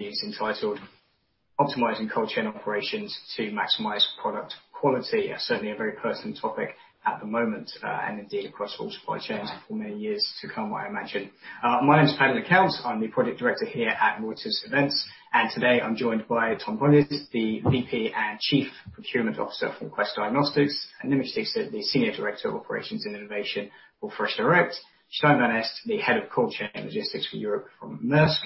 Being entitled, "Optimizing Cold Chain Operations to Maximize Product Quality." Certainly a very personal topic at the moment, and indeed across all supply chains for many years to come, I imagine. My name's Paddy McCourt. I'm the Project Director here at Reuters Events. And today I'm joined by Tom Plungis, the VP and Chief Procurement Officer from Quest Diagnostics. And Nimish Dixit, the Senior Director of Operations and Innovation for FreshDirect. Stein van Est, the Head of Cold Chain Logistics for Europe from Maersk.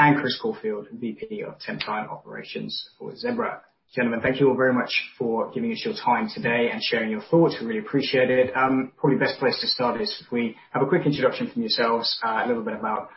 And Chris Caulfield, VP of Temptime Operations for Zebra. Gentlemen, thank you all very much for giving us your time today and sharing your thoughts. We really appreciate it. Probably the best place to start is if we have a quick introduction from yourselves, a little bit about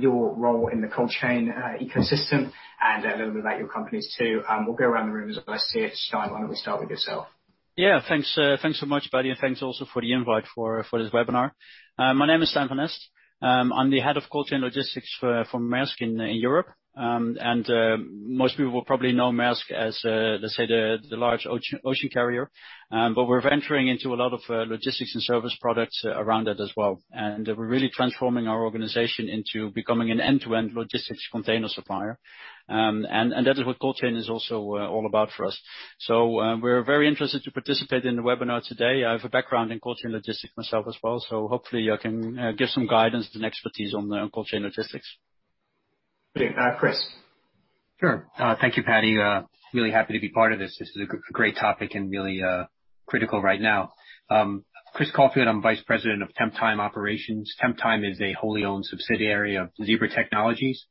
your role in the cold chain ecosystem, and a little bit about your companies too. We'll go around the room as well as to see it. Stein, why don't we start with yourself? Yeah, thanks so much, Paddy, and thanks also for the invite for this webinar. My name is Stein van Est. I'm the Head of Cold Chain Logistics for Maersk in Europe, and most people will probably know Maersk as, let's say, the large ocean carrier, but we're venturing into a lot of logistics and service products around that as well. And we're really transforming our organization into becoming an end-to-end logistics container supplier, and that is what cold chain is also all about for us, so we're very interested to participate in the webinar today. I have a background in cold chain logistics myself as well, so hopefully I can give some guidance and expertise on cold chain logistics. Chris. Sure. Thank you, Paddy. Really happy to be part of this. This is a great topic and really critical right now. Chris Caulfield, I'm Vice President of Temptime Operations. Temptime is a wholly owned subsidiary of Zebra Technologies.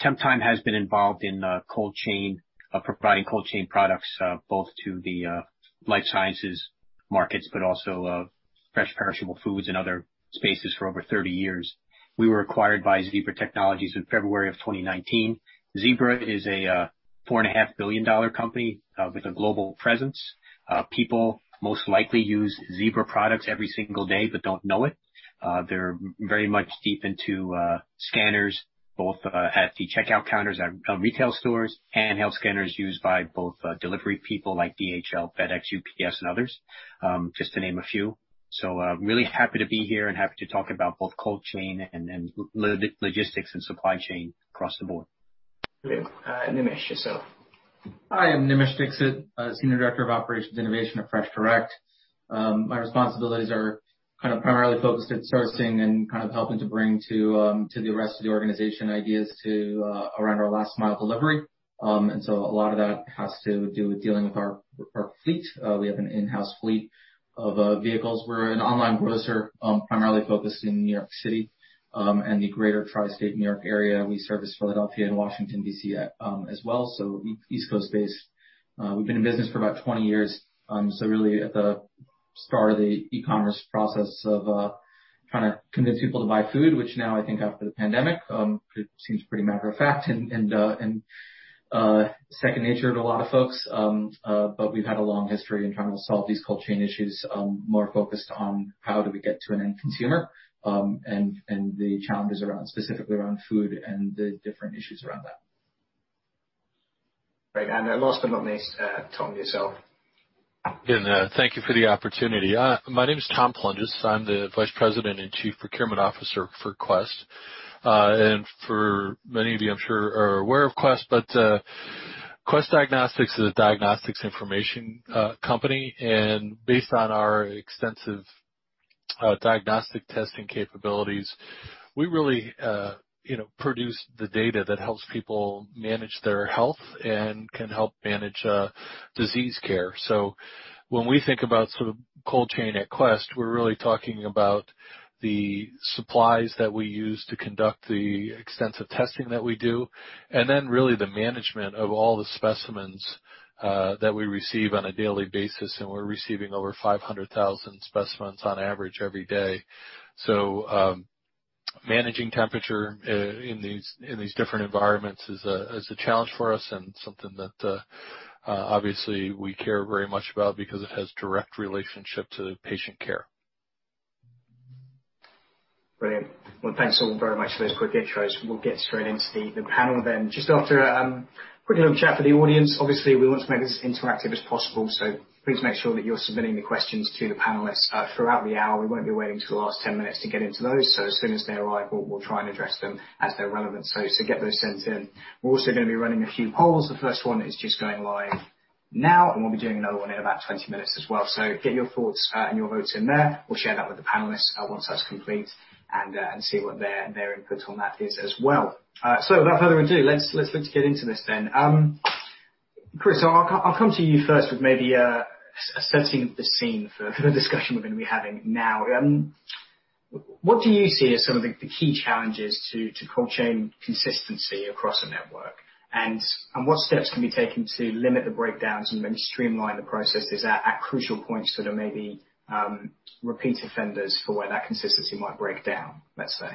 Temptime has been involved in cold chain, providing cold chain products both to the life sciences markets, but also fresh perishable foods and other spaces for over 30 years. We were acquired by Zebra Technologies in February of 2019. Zebra is a $4.5 billion company with a global presence. People most likely use Zebra products every single day but don't know it. They're very much deep into scanners, both at the checkout counters at retail stores and health scanners used by both delivery people like DHL, FedEx, UPS, and others, just to name a few. Really happy to be here and happy to talk about both cold chain and logistics and supply chain across the board. Nimish yourself. Hi, I'm Nimish Dixit, Senior Director of Operations Innovation at FreshDirect. My responsibilities are kind of primarily focused at servicing and kind of helping to bring to the rest of the organization ideas around our last mile delivery. And so a lot of that has to do with dealing with our fleet. We have an in-house fleet of vehicles. We're an online grocer, primarily focused in New York City and the greater Tri-State New York area. We service Philadelphia and Washington, D.C. as well. So East Coast based. We've been in business for about 20 years. So really at the start of the e-commerce process of trying to convince people to buy food, which now I think after the pandemic seems pretty matter of fact and second nature to a lot of folks. We've had a long history in trying to solve these cold chain issues, more focused on how do we get to an end consumer and the challenges around specifically food and the different issues around that. Last but not least, Tom, yourself. Thank you for the opportunity. My name is Tom Plungis. I'm the Vice President and Chief Procurement Officer for Quest. And for many of you, I'm sure, are aware of Quest, but Quest Diagnostics is a diagnostics information company. And based on our extensive diagnostic testing capabilities, we really produce the data that helps people manage their health and can help manage disease care. So when we think about cold chain at Quest, we're really talking about the supplies that we use to conduct the extensive testing that we do, and then really the management of all the specimens that we receive on a daily basis. And we're receiving over 500,000 specimens on average every day. So managing temperature in these different environments is a challenge for us and something that obviously we care very much about because it has a direct relationship to patient care. Thanks all very much for those quick intros. We'll get straight into the panel then. Just after a quick little chat for the audience, obviously we want to make this as interactive as possible. So please make sure that you're submitting the questions to the panelists throughout the hour. We won't be waiting until the last 10 minutes to get into those. So as soon as they arrive, we'll try and address them as they're relevant. So get those sent in. We're also going to be running a few polls. The first one is just going live now, and we'll be doing another one in about 20 minutes as well. So get your thoughts and your votes in there. We'll share that with the panelists once that's complete and see what their input on that is as well. So without further ado, let's look to get into this then. Chris, I'll come to you first with maybe a setting of the scene for the discussion we're going to be having now. What do you see as some of the key challenges to cold chain consistency across a network? And what steps can be taken to limit the breakdowns and maybe streamline the processes at crucial points that are maybe repeat offenders for where that consistency might break down, let's say?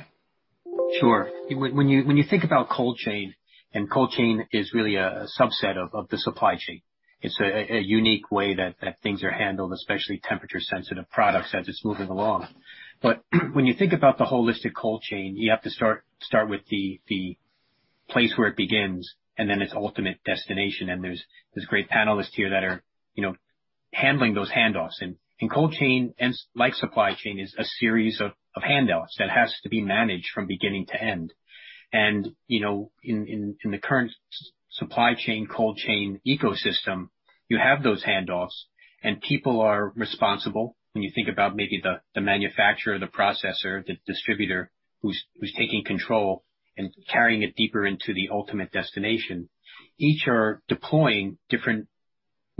Sure. When you think about cold chain, and cold chain is really a subset of the supply chain. It's a unique way that things are handled, especially temperature-sensitive products as it's moving along, but when you think about the holistic cold chain, you have to start with the place where it begins and then its ultimate destination, and there's great panelists here that are handling those handoffs, and cold chain, like supply chain, is a series of handoffs that has to be managed from beginning to end, and in the current supply chain cold chain ecosystem, you have those handoffs and people are responsible. When you think about maybe the manufacturer, the processor, the distributor who's taking control and carrying it deeper into the ultimate destination, each are deploying different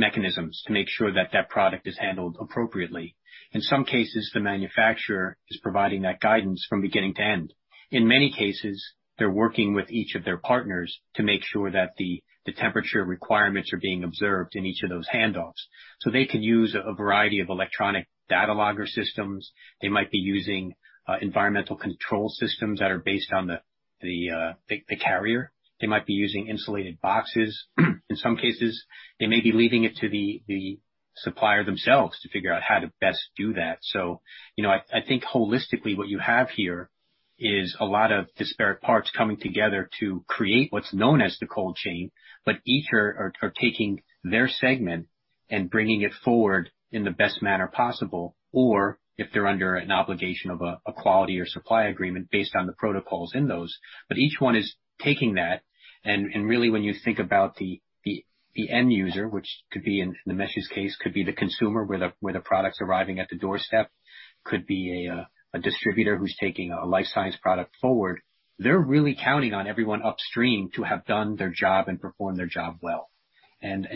mechanisms to make sure that that product is handled appropriately. In some cases, the manufacturer is providing that guidance from beginning to end. In many cases, they're working with each of their partners to make sure that the temperature requirements are being observed in each of those handoffs. So they can use a variety of electronic data logger systems. They might be using environmental control systems that are based on the carrier. They might be using insulated boxes. In some cases, they may be leaving it to the supplier themselves to figure out how to best do that. So I think holistically what you have here is a lot of disparate parts coming together to create what's known as the cold chain, but each are taking their segment and bringing it forward in the best manner possible. Or if they're under an obligation of a quality or supply agreement based on the protocols in those, but each one is taking that. And really when you think about the end user, which could be in Nimish's case, could be the consumer where the product's arriving at the doorstep, could be a distributor who's taking a life science product forward, they're really counting on everyone upstream to have done their job and performed their job well. And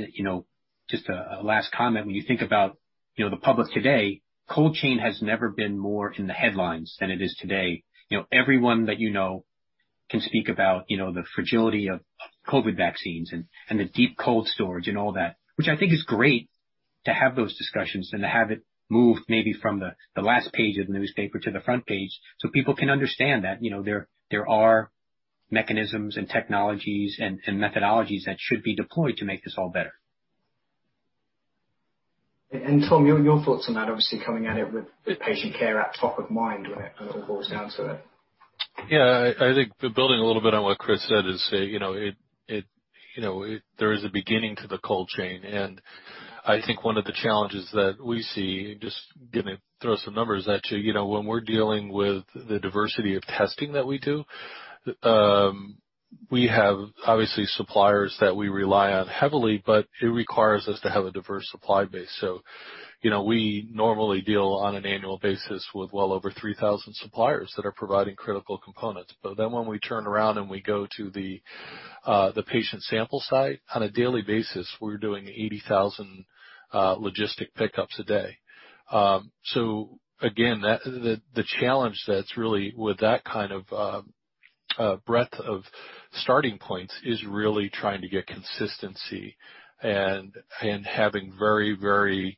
just a last comment, when you think about the public today, cold chain has never been more in the headlines than it is today. Everyone that you know can speak about the fragility of COVID vaccines and the deep cold storage and all that, which I think is great to have those discussions and to have it moved maybe from the last page of the newspaper to the front page so people can understand that there are mechanisms and technologies and methodologies that should be deployed to make this all better. Tom, your thoughts on that. Obviously coming at it with patient care at top of mind when it all boils down to it. Yeah, I think building a little bit on what Chris said, there is a beginning to the cold chain. And I think one of the challenges that we see, just going to throw some numbers at you, when we're dealing with the diversity of testing that we do, we have obviously suppliers that we rely on heavily, but it requires us to have a diverse supply base. So we normally deal on an annual basis with well over 3,000 suppliers that are providing critical components. But then when we turn around and we go to the patient sample site on a daily basis, we're doing 80,000 logistic pickups a day. So again, the challenge that's really with that kind of breadth of starting points is really trying to get consistency and having very, very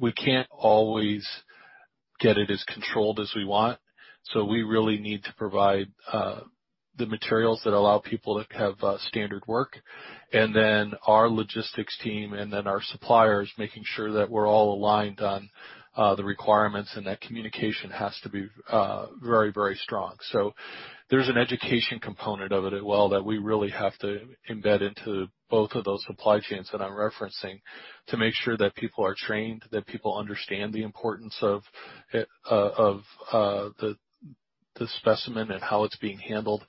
we can't always get it as controlled as we want. We really need to provide the materials that allow people to have standard work. Our logistics team and then our suppliers making sure that we're all aligned on the requirements and that communication has to be very, very strong. There's an education component of it as well that we really have to embed into both of those supply chains that I'm referencing to make sure that people are trained, that people understand the importance of the specimen and how it's being handled.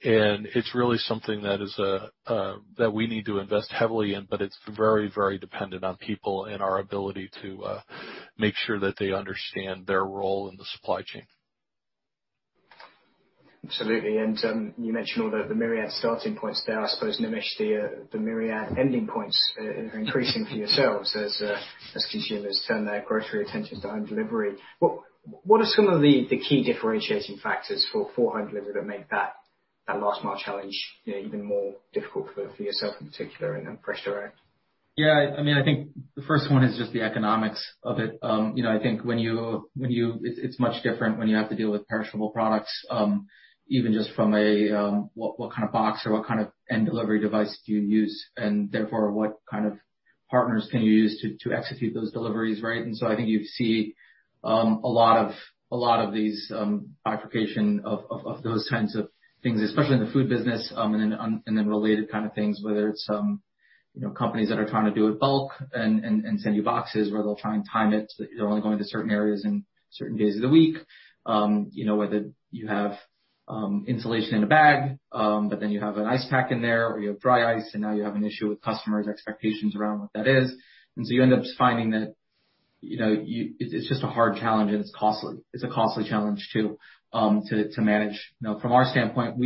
It's really something that we need to invest heavily in, but it's very, very dependent on people and our ability to make sure that they understand their role in the supply chain. Absolutely. And you mentioned all the myriad starting points there. I suppose Nimish, the myriad ending points are increasing for yourselves as consumers turn their grocery attention to home delivery. What are some of the key differentiating factors for home delivery that make that last mile challenge even more difficult for yourself in particular and FreshDirect? Yeah, I mean, I think the first one is just the economics of it. I think when it's much different when you have to deal with perishable products, even just from what kind of box or what kind of end delivery device do you use, and therefore, what kind of partners can you use to execute those deliveries, right? And so I think you see a lot of these bifurcations of those kinds of things, especially in the food business and then related kind of things, whether it's companies that are trying to do it bulk and send you boxes where they'll try and time it so that you're only going to certain areas and certain days of the week, whether you have insulation in a bag, but then you have an ice pack in there or you have dry ice and now you have an issue with customers' expectations around what that is. And so you end up finding that it's just a hard challenge and it's costly. It's a costly challenge too to manage. From our standpoint,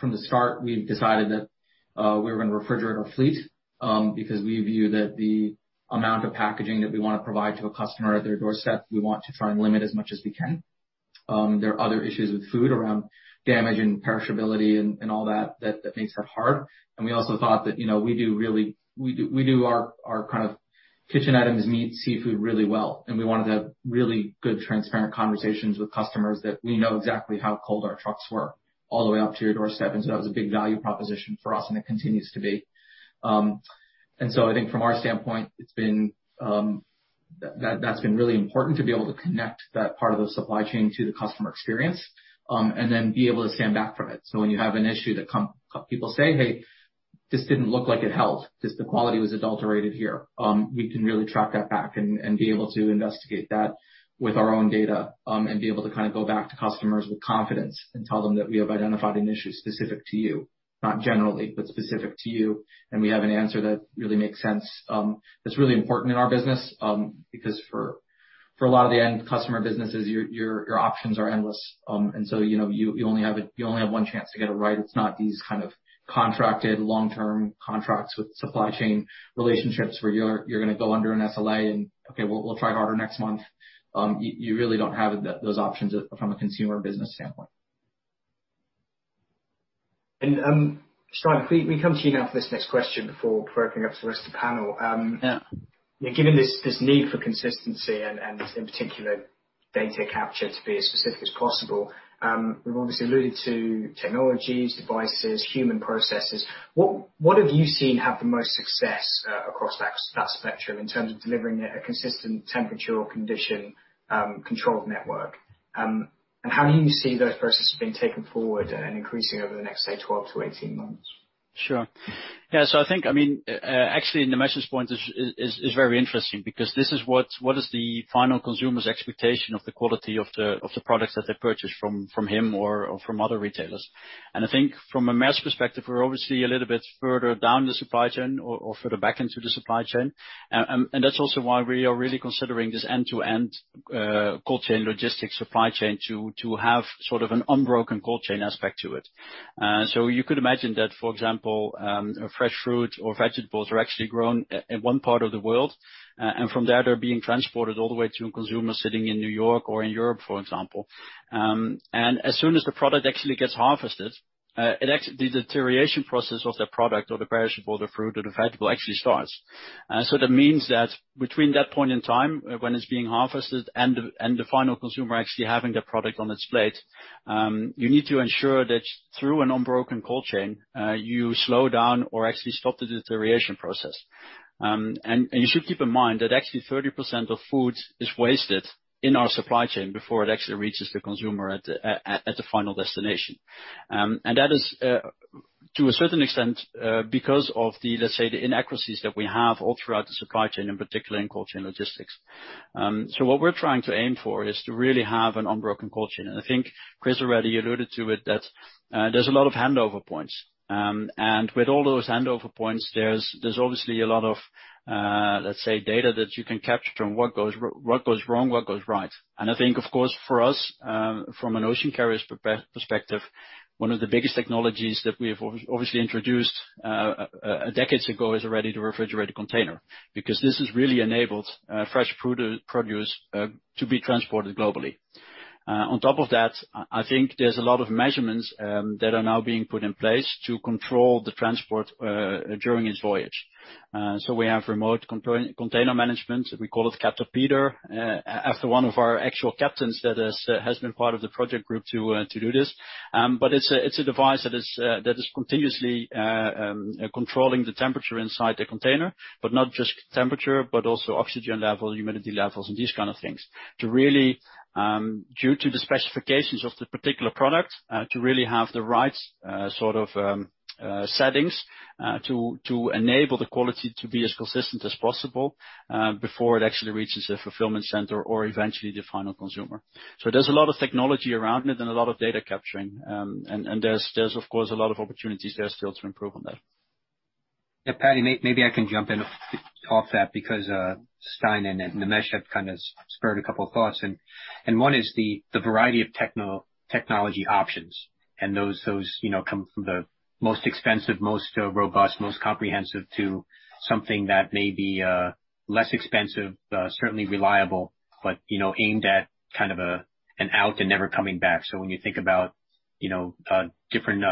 from the start, we've decided that we're going to refrigerate our fleet because we view that the amount of packaging that we want to provide to a customer at their doorstep, we want to try and limit as much as we can. There are other issues with food around damage and perishability and all that that makes that hard. And we also thought that we do really do our kind of kitchen items, meat, seafood really well. And we wanted to have really good transparent conversations with customers that we know exactly how cold our trucks were all the way up to your doorstep. And so that was a big value proposition for us and it continues to be. I think from our standpoint, that's been really important to be able to connect that part of the supply chain to the customer experience and then be able to stand back from it. When you have an issue that people say, "Hey, this didn't look like it held," just the quality was adulterated here, we can really track that back and be able to investigate that with our own data and be able to kind of go back to customers with confidence and tell them that we have identified an issue specific to you, not generally, but specific to you. We have an answer that really makes sense. That's really important in our business because for a lot of the end customer businesses, your options are endless. You only have one chance to get it right. It's not these kind of contracted long-term contracts with supply chain relationships where you're going to go under an SLA and, "Okay, we'll try harder next month." You really don't have those options from a consumer business standpoint. Stein, we come to you now for this next question before opening up to the rest of the panel. Given this need for consistency and in particular data capture to be as specific as possible, we've obviously alluded to technologies, devices, human processes. What have you seen have the most success across that spectrum in terms of delivering a consistent temperature or condition controlled network? And how do you see those processes being taken forward and increasing over the next, say, 12 to 18 months? Sure. Yeah. So I think, I mean, actually Nimish's point is very interesting because this is what is the final consumer's expectation of the quality of the products that they purchase from him or from other retailers. And I think from a Maersk perspective, we're obviously a little bit further down the supply chain or further back into the supply chain. And that's also why we are really considering this end-to-end cold chain logistics supply chain to have sort of an unbroken cold chain aspect to it. So you could imagine that, for example, fresh fruit or vegetables are actually grown in one part of the world. And from there, they're being transported all the way to a consumer sitting in New York or in Europe, for example. And as soon as the product actually gets harvested, the deterioration process of the product or the perishable, the fruit or the vegetable actually starts. So that means that between that point in time when it's being harvested and the final consumer actually having the product on its plate, you need to ensure that through an unbroken cold chain, you slow down or actually stop the deterioration process. And you should keep in mind that actually 30% of food is wasted in our supply chain before it actually reaches the consumer at the final destination. And that is to a certain extent because of the, let's say, the inaccuracies that we have all throughout the supply chain, in particular in cold chain logistics. So what we're trying to aim for is to really have an unbroken cold chain. And I think Chris already alluded to it, that there's a lot of handover points. And with all those handover points, there's obviously a lot of, let's say, data that you can capture on what goes wrong, what goes right. And I think, of course, for us, from an ocean carrier's perspective, one of the biggest technologies that we have obviously introduced decades ago is already the refrigerated container because this has really enabled fresh produce to be transported globally. On top of that, I think there's a lot of measurements that are now being put in place to control the transport during its voyage. So we have Remote Container Management. We call it Captain Peter, after one of our actual captains that has been part of the project group to do this. But it's a device that is continuously controlling the temperature inside the container, but not just temperature, but also oxygen level, humidity levels, and these kinds of things. To really, due to the specifications of the particular product, to really have the right sort of settings to enable the quality to be as consistent as possible before it actually reaches the fulfillment center or eventually the final consumer. So there's a lot of technology around it and a lot of data capturing. And there's, of course, a lot of opportunities there still to improve on that. Yeah, Paddy, maybe I can jump in off that because Stein and Nimish have kind of spurred a couple of thoughts. And one is the variety of technology options. And those come from the most expensive, most robust, most comprehensive to something that may be less expensive, certainly reliable, but aimed at kind of a one-off and never coming back. So when you think about different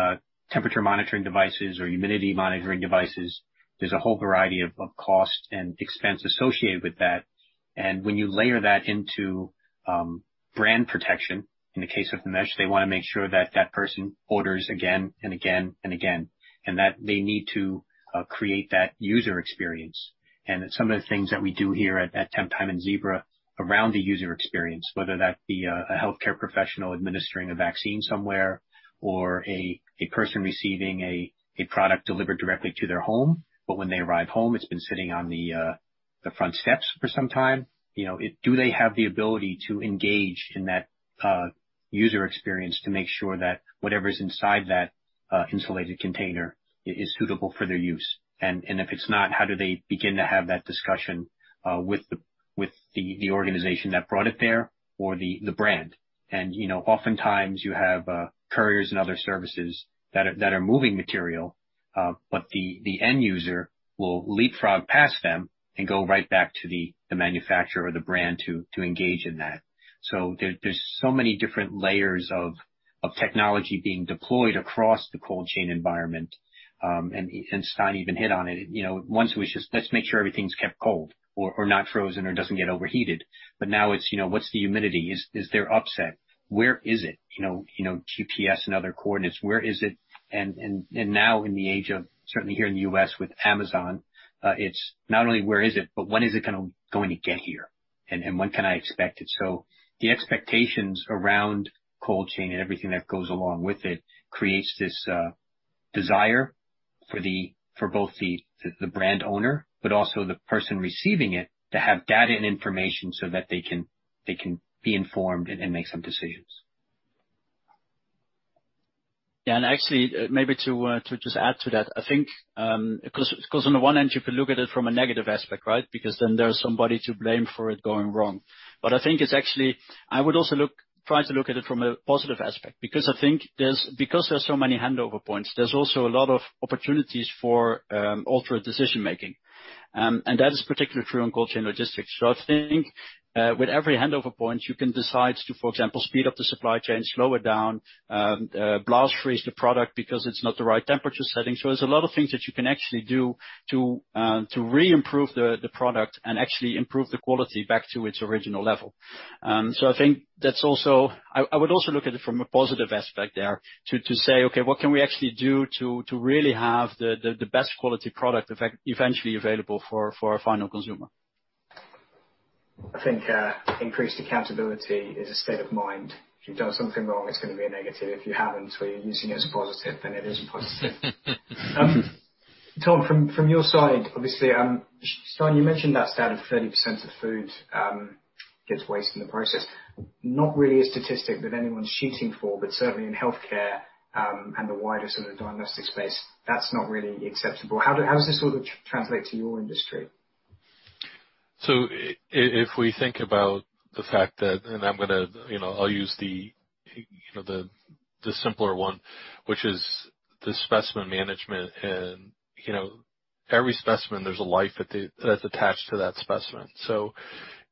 temperature monitoring devices or humidity monitoring devices, there's a whole variety of cost and expense associated with that. And when you layer that into brand protection, in the case of Nimish, they want to make sure that that person orders again and again and again, and that they need to create that user experience. Some of the things that we do here at Temptime and Zebra around the user experience, whether that be a healthcare professional administering a vaccine somewhere or a person receiving a product delivered directly to their home, but when they arrive home, it's been sitting on the front steps for some time, do they have the ability to engage in that user experience to make sure that whatever is inside that insulated container is suitable for their use? And if it's not, how do they begin to have that discussion with the organization that brought it there or the brand? And oftentimes you have couriers and other services that are moving material, but the end user will leapfrog past them and go right back to the manufacturer or the brand to engage in that. So there's so many different layers of technology being deployed across the cold chain environment. And Stein even hit on it. Once it was just, "Let's make sure everything's kept cold or not frozen or doesn't get overheated." But now it's, "What's the humidity? Is there upset? Where is it?" GPS and other coordinates, where is it? And now in the age of, certainly here in the U.S. with Amazon, it's not only where is it, but when is it going to get here? And when can I expect it? So the expectations around cold chain and everything that goes along with it creates this desire for both the brand owner, but also the person receiving it to have data and information so that they can be informed and make some decisions. Yeah, and actually maybe to just add to that, I think because on the one end, you could look at it from a negative aspect, right? Because then there's somebody to blame for it going wrong. But I think it's actually, I would also try to look at it from a positive aspect because I think because there's so many handover points, there's also a lot of opportunities for altered decision-making. And that is particularly true on cold chain logistics. So I think with every handover point, you can decide to, for example, speed up the supply chain, slow it down, blast freeze the product because it's not the right temperature setting. So there's a lot of things that you can actually do to re-improve the product and actually improve the quality back to its original level. So, I think that's also. I would also look at it from a positive aspect there to say, "Okay, what can we actually do to really have the best quality product eventually available for our final consumer?" I think increased accountability is a state of mind. If you've done something wrong, it's going to be a negative. If you haven't, or you're using it as a positive, then it is a positive. Tom, from your side, obviously, Stein, you mentioned that standard of 30% of food gets wasted in the process. Not really a statistic that anyone's shooting for, but certainly in healthcare and the wider sort of diagnostic space, that's not really acceptable. How does this sort of translate to your industry? So if we think about the fact that, and I'm going to I'll use the simpler one, which is the specimen management. And every specimen, there's a life that's attached to that specimen. So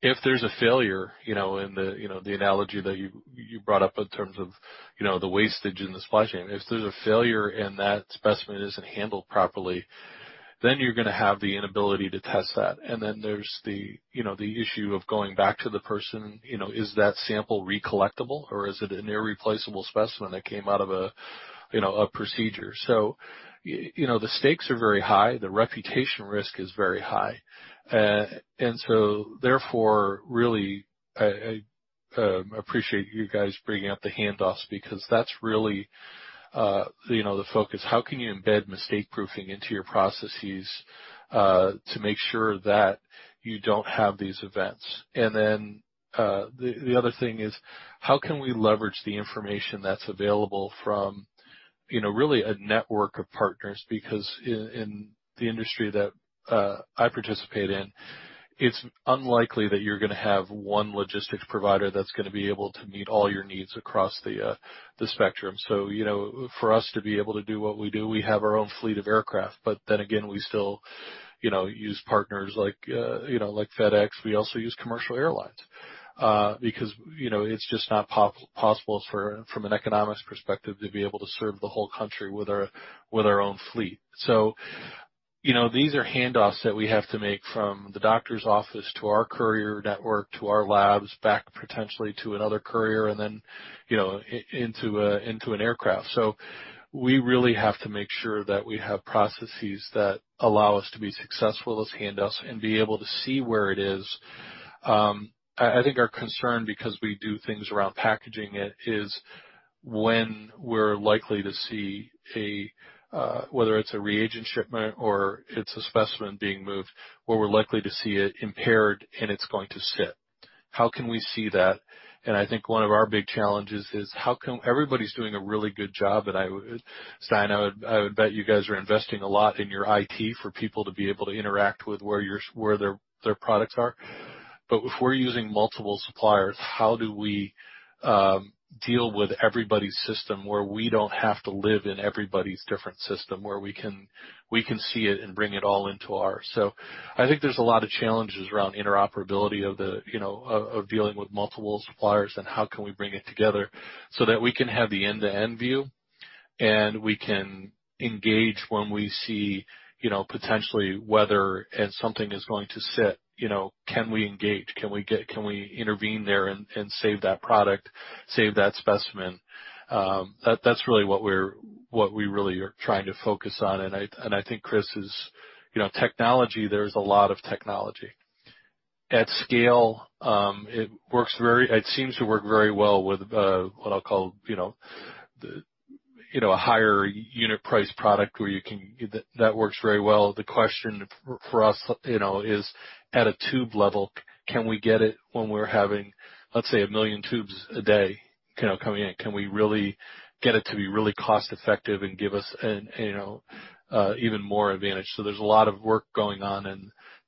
if there's a failure in the analogy that you brought up in terms of the wastage in the supply chain, if there's a failure and that specimen isn't handled properly, then you're going to have the inability to test that. And then there's the issue of going back to the person, is that sample recollectible or is it an irreplaceable specimen that came out of a procedure? So the stakes are very high. The reputation risk is very high. And so therefore, really, I appreciate you guys bringing up the handoffs because that's really the focus. How can you embed mistake-proofing into your processes to make sure that you don't have these events? And then the other thing is, how can we leverage the information that's available from really a network of partners? Because in the industry that I participate in, it's unlikely that you're going to have one logistics provider that's going to be able to meet all your needs across the spectrum. So for us to be able to do what we do, we have our own fleet of aircraft, but then again, we still use partners like FedEx. We also use commercial airlines because it's just not possible from an economics perspective to be able to serve the whole country with our own fleet. So these are handoffs that we have to make from the doctor's office to our courier network to our labs, back potentially to another courier, and then into an aircraft. So we really have to make sure that we have processes that allow us to be successful with those handoffs and be able to see where it is. I think our concern, because we do things around packaging it, is when we're likely to see a, whether it's a reagent shipment or it's a specimen being moved, where we're likely to see it impaired and it's going to sit. How can we see that? And I think one of our big challenges is how can everybody's doing a really good job. And Stein van Est, I would bet you guys are investing a lot in your IT for people to be able to interact with where their products are. But if we're using multiple suppliers, how do we deal with everybody's system where we don't have to live in everybody's different system, where we can see it and bring it all into ours? So I think there's a lot of challenges around interoperability of dealing with multiple suppliers and how can we bring it together so that we can have the end-to-end view and we can engage when we see potentially whether something is going to sit. Can we engage? Can we intervene there and save that product, save that specimen? That's really what we really are trying to focus on. And I think Chris's technology, there's a lot of technology. At scale, it works very well. It seems to work very well with what I'll call a higher unit price product where you can that works very well. The question for us is, at a tube level, can we get it when we're having, let's say, a million tubes a day coming in? Can we really get it to be really cost-effective and give us even more advantage? So there's a lot of work going on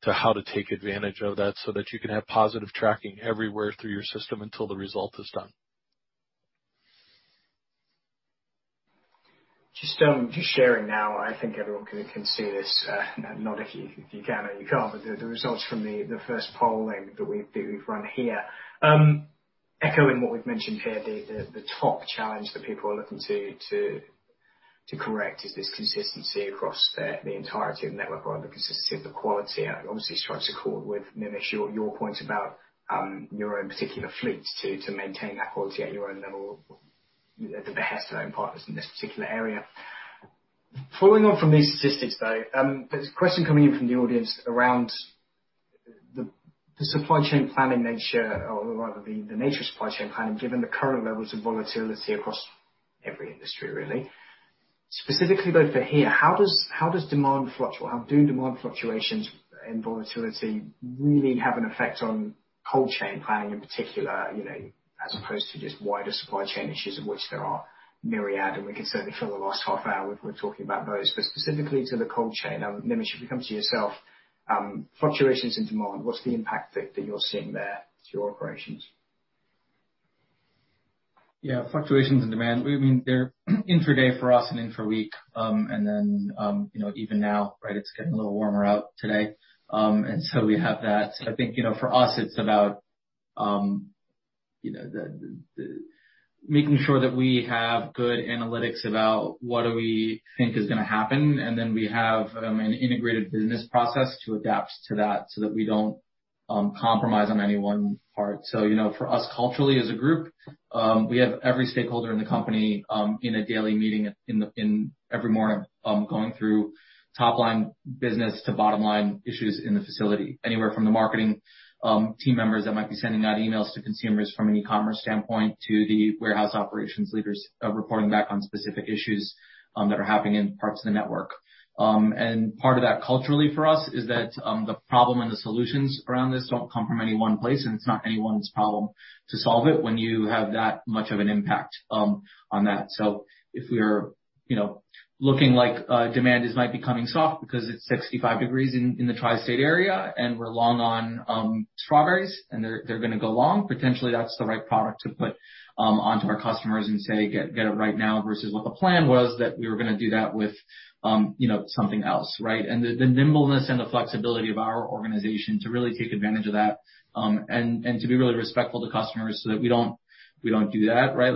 to how to take advantage of that so that you can have positive tracking everywhere through your system until the result is done. Just sharing now, I think everyone can see this. Now if you can or you can't, but the results from the first polling that we've run here. Echoing what we've mentioned here, the top challenge that people are looking to correct is this consistency across the entirety of the network or the consistency of the quality. Obviously, it strikes a chord with Nimish, your point about your own particular fleet to maintain that quality at your own level at the behest of own partners in this particular area. Following on from these statistics, though, there's a question coming in from the audience around the supply chain planning nature or rather the nature of supply chain planning, given the current levels of volatility across every industry, really. Specifically, though, for here, how does demand fluctuate? How do demand fluctuations and volatility really have an effect on cold chain planning in particular, as opposed to just wider supply chain issues of which there are myriad? And we can certainly fill the last half hour with talking about those. But specifically to the cold chain, Nimish, if we come to yourself, fluctuations in demand, what's the impact that you're seeing there to your operations? Yeah, fluctuations in demand. I mean, they're intraday for us and intra-week. And then even now, right, it's getting a little warmer out today. And so we have that. I think for us, it's about making sure that we have good analytics about what do we think is going to happen. And then we have an integrated business process to adapt to that so that we don't compromise on any one part. So for us, culturally, as a group, we have every stakeholder in the company in a daily meeting every morning going through top-line business to bottom-line issues in the facility, anywhere from the marketing team members that might be sending out emails to consumers from an e-commerce standpoint to the warehouse operations leaders reporting back on specific issues that are happening in parts of the network. Part of that culturally for us is that the problem and the solutions around this don't come from any one place, and it's not anyone's problem to solve it when you have that much of an impact on that. If we're looking like demand is might be coming soft because it's 65 degrees in the Tri-State area and we're long on strawberries, and they're going to go long, potentially that's the right product to put onto our customers and say, "Get it right now," versus what the plan was that we were going to do that with something else, right? The nimbleness and the flexibility of our organization to really take advantage of that and to be really respectful to customers so that we don't do that, right?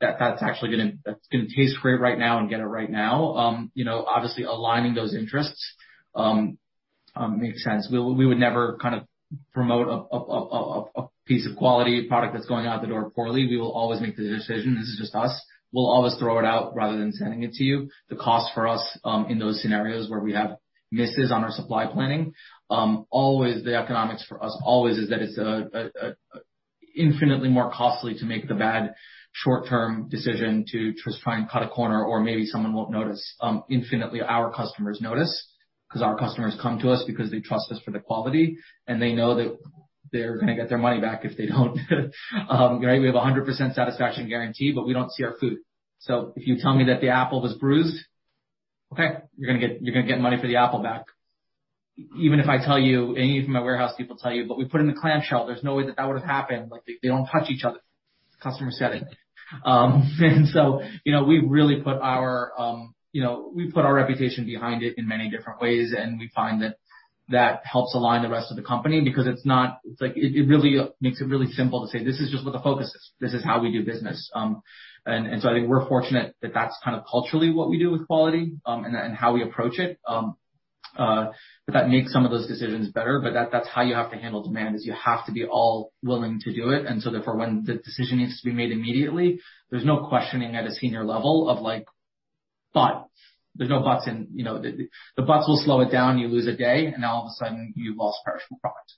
That's actually going to taste great right now and get it right now. Obviously, aligning those interests makes sense. We would never kind of promote a piece of quality product that's going out the door poorly. We will always make the decision. This is just us. We'll always throw it out rather than sending it to you. The cost for us in those scenarios where we have misses on our supply planning, always the economics for us always is that it's infinitely more costly to make the bad short-term decision to just try and cut a corner or maybe someone won't notice. Infinitely, our customers notice because our customers come to us because they trust us for the quality and they know that they're going to get their money back if they don't. Right? We have a 100% satisfaction guarantee, but we don't see our food so if you tell me that the apple was bruised, okay, you're going to get money for the apple back. Even if I tell you, any of my warehouse people tell you, "But we put in the clamshell. There's no way that that would have happened." They don't touch each other. Customer said it, and so we really put our reputation behind it in many different ways, and we find that that helps align the rest of the company because it really makes it really simple to say, "This is just what the focus is. This is how we do business," and so I think we're fortunate that that's kind of culturally what we do with quality and how we approach it. But that makes some of those decisions better. But that's how you have to handle demand, is you have to be all willing to do it. And so therefore, when the decision needs to be made immediately, there's no questioning at a senior level of like, "But." There's no buts, and the buts will slow it down. You lose a day, and all of a sudden, you've lost perishable product.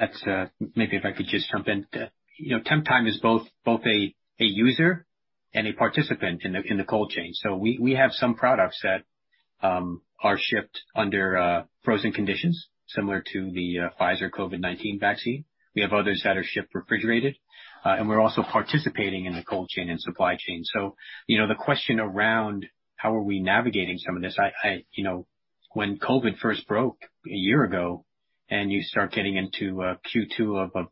That's maybe if I could just jump in. Temptime is both a user and a participant in the cold chain. So we have some products that are shipped under frozen conditions, similar to the Pfizer COVID-19 vaccine. We have others that are shipped refrigerated. And we're also participating in the cold chain and supply chain. So the question around how are we navigating some of this, when COVID first broke a year ago and you start getting into Q2 of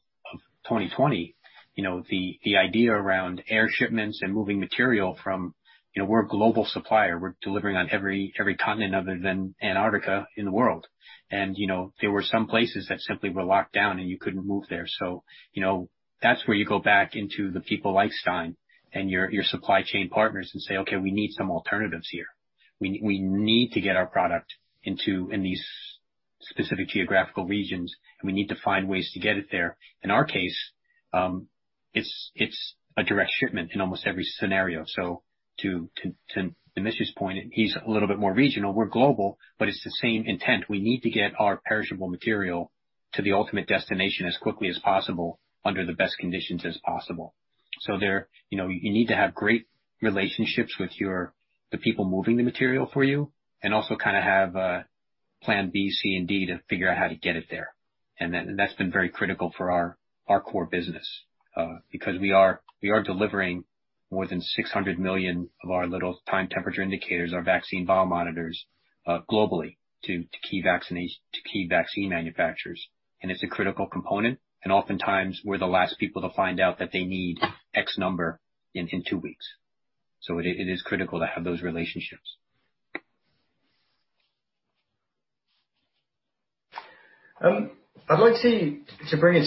2020, the idea around air shipments and moving material from we're a global supplier. We're delivering on every continent other than Antarctica in the world. And there were some places that simply were locked down and you couldn't move there. So that's where you go back into the people like Stein and your supply chain partners and say, "Okay, we need some alternatives here. We need to get our product into these specific geographical regions, and we need to find ways to get it there." In our case, it's a direct shipment in almost every scenario. So to Nimish's point, he's a little bit more regional. We're global, but it's the same intent. We need to get our perishable material to the ultimate destination as quickly as possible under the best conditions as possible. So you need to have great relationships with the people moving the material for you and also kind of have a plan B, C, and D to figure out how to get it there. And that's been very critical for our core business because we are delivering more than 600 million of our little time-temperature indicators, our vaccine biomonitors globally to key vaccine manufacturers. And it's a critical component. Oftentimes, we're the last people to find out that they need X number in two weeks. It is critical to have those relationships. I'd like to bring it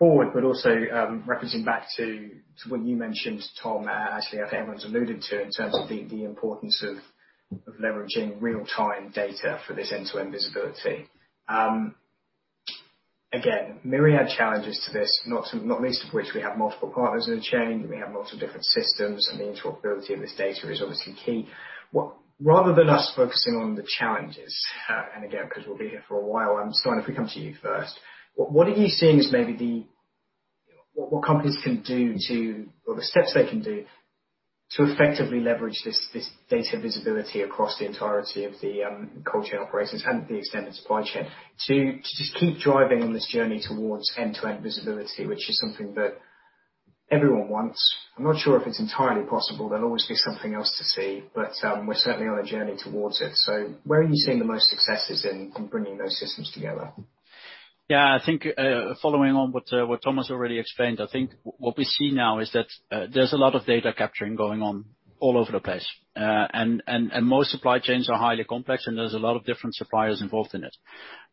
forward, but also referencing back to what you mentioned, Tom, actually, I think everyone's alluded to in terms of the importance of leveraging real-time data for this end-to-end visibility. Again, myriad challenges to this, not least of which we have multiple partners in the chain. We have multiple different systems, and the interoperability of this data is obviously key. Rather than us focusing on the challenges, and again, because we'll be here for a while, I'm starting if we come to you first, what are you seeing as maybe the what companies can do to or the steps they can do to effectively leverage this data visibility across the entirety of the cold chain operations and the extended supply chain to just keep driving on this journey towards end-to-end visibility, which is something that everyone wants? I'm not sure if it's entirely possible. There'll always be something else to see, but we're certainly on a journey towards it. So where are you seeing the most successes in bringing those systems together? Yeah, I think following on what Thomas already explained, I think what we see now is that there's a lot of data capturing going on all over the place. And most supply chains are highly complex, and there's a lot of different suppliers involved in it.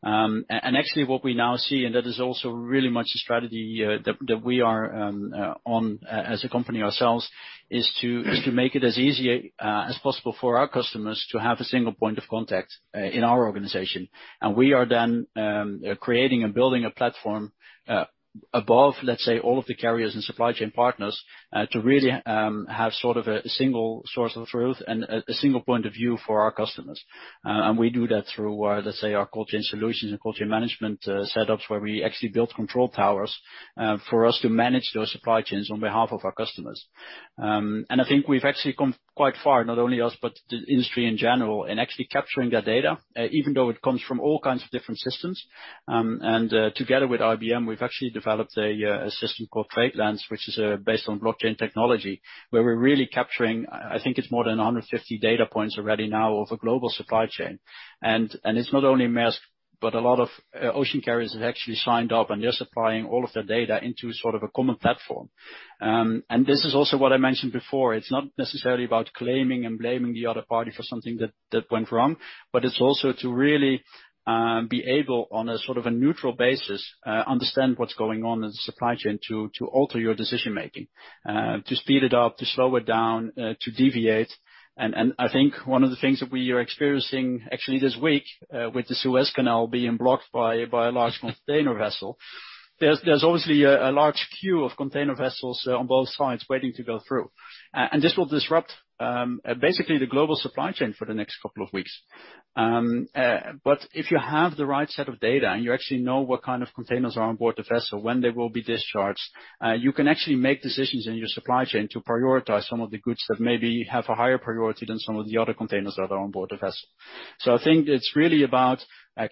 And actually, what we now see, and that is also really much the strategy that we are on as a company ourselves, is to make it as easy as possible for our customers to have a single point of contact in our organization. And we are then creating and building a platform above, let's say, all of the carriers and supply chain partners to really have sort of a single source of truth and a single point of view for our customers. And we do that through, let's say, our cold chain solutions and cold chain management setups where we actually build control towers for us to manage those supply chains on behalf of our customers. And I think we've actually come quite far, not only us, but the industry in general, in actually capturing that data, even though it comes from all kinds of different systems. And together with IBM, we've actually developed a system called TradeLens, which is based on blockchain technology, where we're really capturing, I think it's more than 150 data points already now of a global supply chain. And it's not only Maersk, but a lot of ocean carriers have actually signed up, and they're supplying all of their data into sort of a common platform. And this is also what I mentioned before. It's not necessarily about claiming and blaming the other party for something that went wrong, but it's also to really be able, on a sort of a neutral basis, to understand what's going on in the supply chain to alter your decision-making, to speed it up, to slow it down, to deviate. And I think one of the things that we are experiencing actually this week with the Suez Canal being blocked by a large container vessel. There's obviously a large queue of container vessels on both sides waiting to go through. And this will disrupt basically the global supply chain for the next couple of weeks. If you have the right set of data and you actually know what kind of containers are on board the vessel, when they will be discharged, you can actually make decisions in your supply chain to prioritize some of the goods that maybe have a higher priority than some of the other containers that are on board the vessel. I think it's really about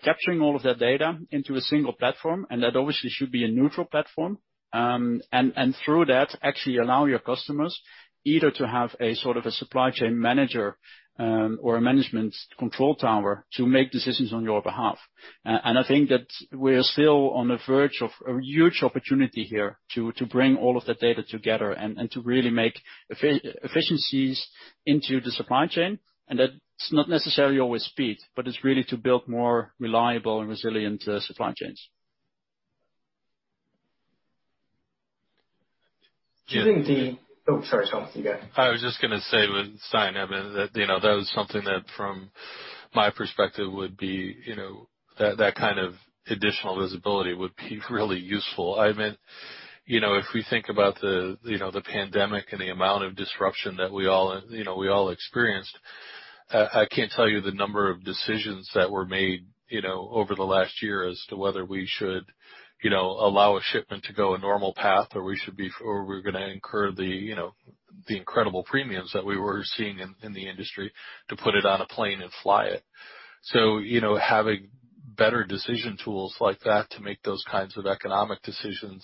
capturing all of that data into a single platform, and that obviously should be a neutral platform. Through that, actually allow your customers either to have a sort of a supply chain manager or a management control tower to make decisions on your behalf. I think that we're still on the verge of a huge opportunity here to bring all of that data together and to really make efficiencies into the supply chain. That's not necessarily always speed, but it's really to build more reliable and resilient supply chains. Oh, sorry, Tom, you go. I was just going to say with Stein van Est, I mean, that that was something that from my perspective would be that kind of additional visibility would be really useful. I mean, if we think about the pandemic and the amount of disruption that we all experienced, I can't tell you the number of decisions that were made over the last year as to whether we should allow a shipment to go a normal path or we should be or we're going to incur the incredible premiums that we were seeing in the industry to put it on a plane and fly it. So having better decision tools like that to make those kinds of economic decisions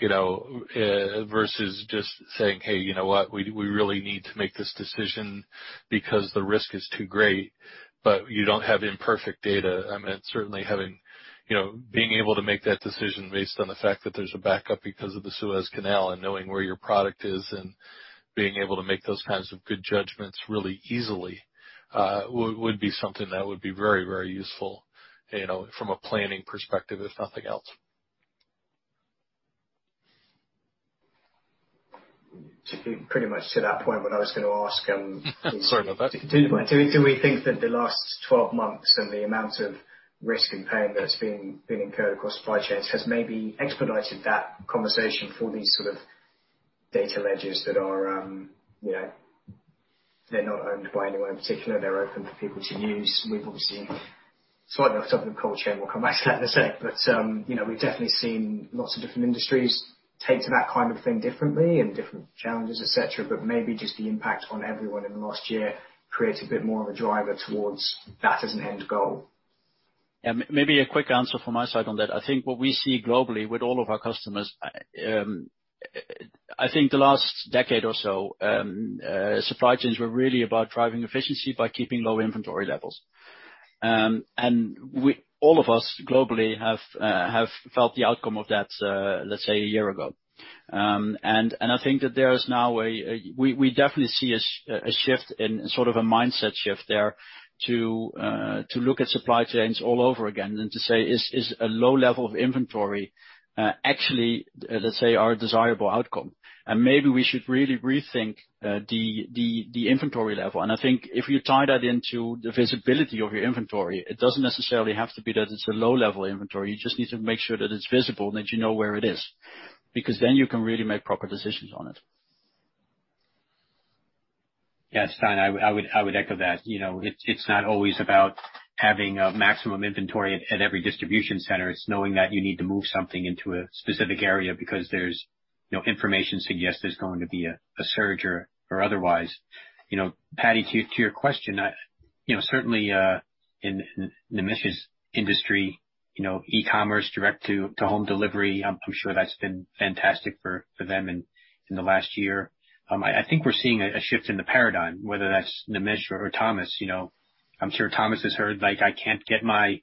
versus just saying, "Hey, you know what? We really need to make this decision because the risk is too great," but you don't have imperfect data. I mean, certainly having being able to make that decision based on the fact that there's a backup because of the Suez Canal and knowing where your product is and being able to make those kinds of good judgments really easily would be something that would be very, very useful from a planning perspective, if nothing else. Pretty much to that point, what I was going to ask. Sorry about that. Do we think that the last 12 months and the amount of risk and pain that's been incurred across supply chains has maybe expedited that conversation for these sort of data ledgers that they're not owned by anyone in particular? They're open for people to use. We've obviously slightly off top of the cold chain. We'll come back to that in a sec. But we've definitely seen lots of different industries take to that kind of thing differently and different challenges, etc., but maybe just the impact on everyone in the last year creates a bit more of a driver towards that as an end goal. Yeah, maybe a quick answer from my side on that. I think what we see globally with all of our customers. I think the last decade or so, supply chains were really about driving efficiency by keeping low inventory levels. And all of us globally have felt the outcome of that, let's say, a year ago. And I think that there is now a we definitely see a shift in sort of a mindset shift there to look at supply chains all over again and to say, "Is a low level of inventory actually, let's say, our desirable outcome?" And maybe we should really rethink the inventory level. And I think if you tie that into the visibility of your inventory, it doesn't necessarily have to be that it's a low-level inventory. You just need to make sure that it's visible and that you know where it is because then you can really make proper decisions on it. Yeah, Stein, I would echo that. It's not always about having a maximum inventory at every distribution center. It's knowing that you need to move something into a specific area because there's information suggests there's going to be a surge or otherwise. Paddy, to your question, certainly in the Nimish's industry, e-commerce direct to home delivery, I'm sure that's been fantastic for them in the last year. I think we're seeing a shift in the paradigm, whether that's Nimish or Tom. I'm sure Tom has heard, "I can't get my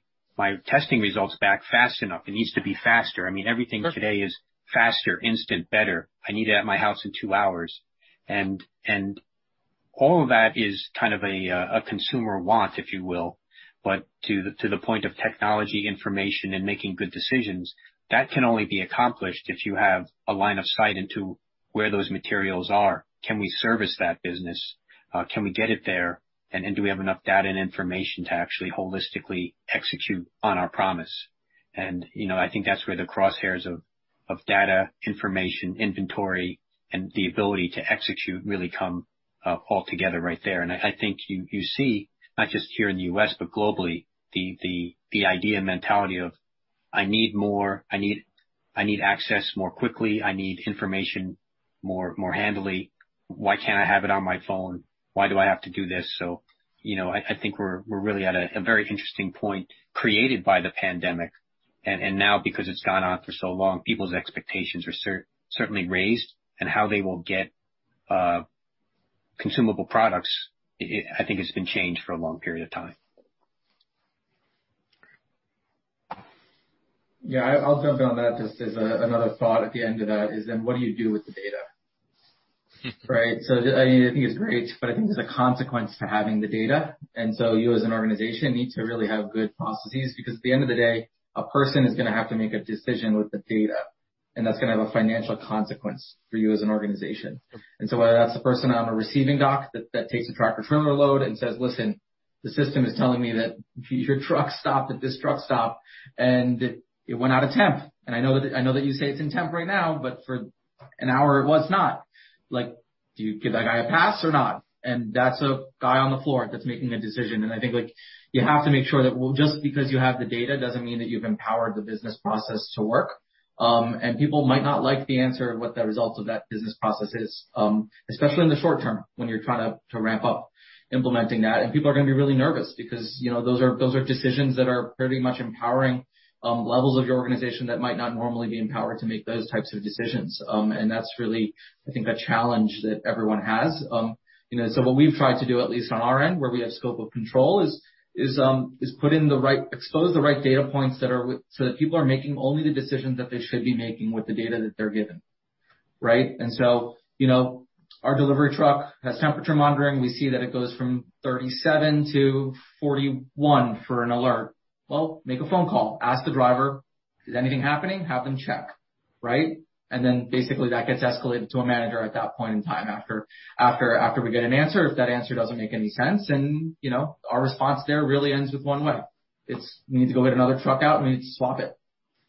testing results back fast enough. It needs to be faster." I mean, everything today is faster, instant, better. I need it at my house in two hours and all of that is kind of a consumer want, if you will. But to the point of technology, information, and making good decisions, that can only be accomplished if you have a line of sight into where those materials are. Can we service that business? Can we get it there? And do we have enough data and information to actually holistically execute on our promise? And I think that's where the crosshairs of data, information, inventory, and the ability to execute really come all together right there. And I think you see, not just here in the U.S., but globally, the idea and mentality of, "I need more. I need access more quickly. I need information more handily. Why can't I have it on my phone? Why do I have to do this?" So I think we're really at a very interesting point created by the pandemic. And now, because it's gone on for so long, people's expectations are certainly raised. How they will get consumable products. I think it's been changed for a long period of time. Yeah, I'll jump in on that. Just as another thought at the end of that is, then what do you do with the data? Right? So I think it's great, but I think there's a consequence to having the data. And so you, as an organization, need to really have good processes because at the end of the day, a person is going to have to make a decision with the data, and that's going to have a financial consequence for you as an organization. And so whether that's the person on a receiving dock that takes a truck or trailer load and says, "Listen, the system is telling me that your truck stopped at this truck stop, and it went out of temp." And I know that you say it's in temp right now, but for an hour, it was not. Do you give that guy a pass or not? And that's a guy on the floor that's making a decision. And I think you have to make sure that just because you have the data doesn't mean that you've empowered the business process to work. And people might not like the answer of what the result of that business process is, especially in the short term when you're trying to ramp up implementing that. And people are going to be really nervous because those are decisions that are pretty much empowering levels of your organization that might not normally be empowered to make those types of decisions. And that's really, I think, a challenge that everyone has. So what we've tried to do, at least on our end, where we have scope of control, is put in the right exposure to the right data points so that people are making only the decisions that they should be making with the data that they're given, right? And so our delivery truck has temperature monitoring. We see that it goes from 37 to 41 degrees Fahrenheit for an alert. Well, make a phone call. Ask the driver, "Is anything happening? Have them check," right? And then basically that gets escalated to a manager at that point in time after we get an answer. If that answer doesn't make any sense, then our response there really ends with one way. We need to go get another truck out, and we need to swap it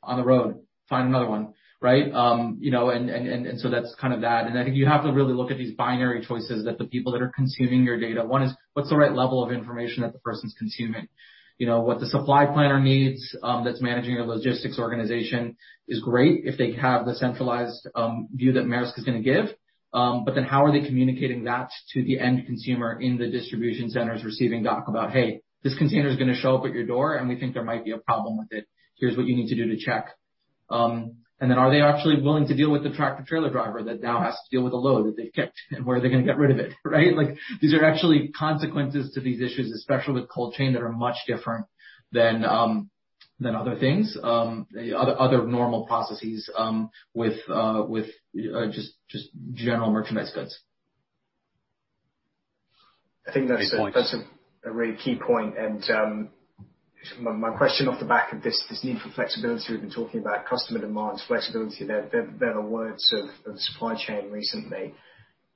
on the road, find another one, right? And so that's kind of that. I think you have to really look at these binary choices that the people that are consuming your data. One is, what's the right level of information that the person's consuming? What the supply planner needs that's managing your logistics organization is great if they have the centralized view that Maersk is going to give. But then how are they communicating that to the end consumer in the distribution center's receiving dock about, "Hey, this container is going to show up at your door, and we think there might be a problem with it. Here's what you need to do to check," and then are they actually willing to deal with the tractor trailer driver that now has to deal with a load that they've kicked, and where are they going to get rid of it, right? These are actually consequences to these issues, especially with cold chain, that are much different than other things, other normal processes with just general merchandise goods. I think that's a really key point. And my question off the back of this need for flexibility, we've been talking about customer demands, flexibility. They're the words of supply chain recently.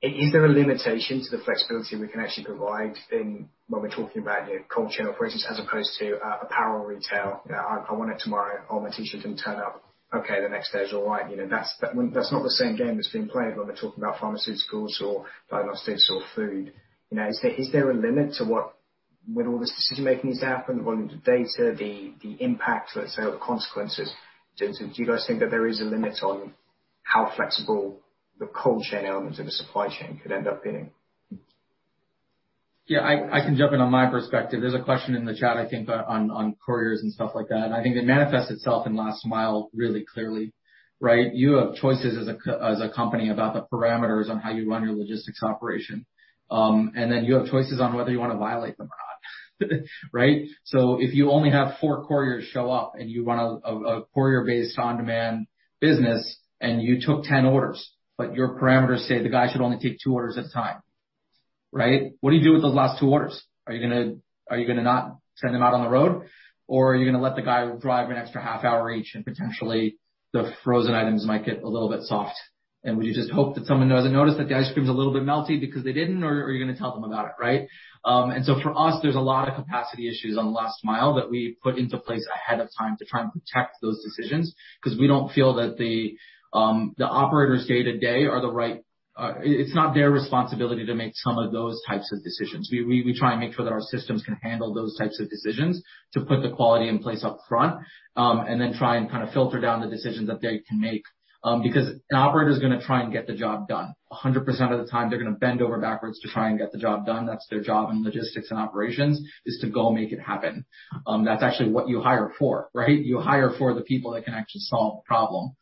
Is there a limitation to the flexibility we can actually provide when we're talking about cold chain operations as opposed to apparel retail? I want it tomorrow. I'll make sure it didn't turn up. Okay, the next day is all right. That's not the same game that's being played when we're talking about pharmaceuticals or diagnostics or food. Is there a limit to what with all this decision-making needs to happen, the volume of data, the impact, let's say, or the consequences? Do you guys think that there is a limit on how flexible the cold chain elements of the supply chain could end up being? Yeah, I can jump in on my perspective. There's a question in the chat, I think, on couriers and stuff like that. And I think it manifests itself in last mile really clearly, right? You have choices as a company about the parameters on how you run your logistics operation. And then you have choices on whether you want to violate them or not, right? So if you only have four couriers show up and you run a courier-based on-demand business and you took 10 orders, but your parameters say the guy should only take two orders at a time, right? What do you do with those last two orders? Are you going to not send them out on the road, or are you going to let the guy drive an extra half hour each and potentially the frozen items might get a little bit soft? Would you just hope that someone doesn't notice that the ice cream is a little bit melty because they didn't, or are you going to tell them about it, right? So for us, there's a lot of capacity issues on last mile that we put into place ahead of time to try and protect those decisions because we don't feel that the operators' day-to-day are the right. It's not their responsibility to make some of those types of decisions. We try and make sure that our systems can handle those types of decisions to put the quality in place upfront and then try and kind of filter down the decisions that they can make because an operator is going to try and get the job done. 100% of the time, they're going to bend over backwards to try and get the job done. That's their job in logistics and operations: to go make it happen. That's actually what you hire for, right? You hire for the people that can actually solve the problem.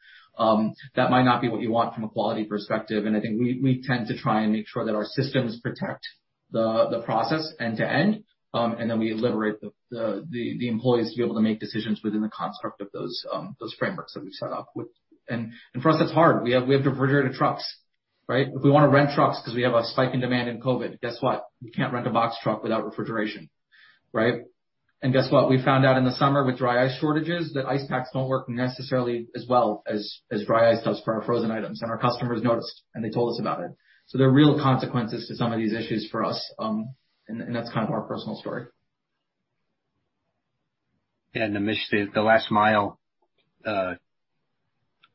That might not be what you want from a quality perspective, and I think we tend to try and make sure that our systems protect the process end to end, and then we liberate the employees to be able to make decisions within the construct of those frameworks that we've set up. And for us, that's hard. We have refrigerated trucks, right? If we want to rent trucks because we have a spike in demand in COVID, guess what? We can't rent a box truck without refrigeration, right? And guess what? We found out in the summer with dry ice shortages that ice packs don't work necessarily as well as dry ice does for our frozen items. And our customers noticed, and they told us about it. So there are real consequences to some of these issues for us. And that's kind of our personal story. Yeah, Nimish, the last mile